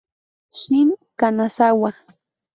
Shin Kanazawa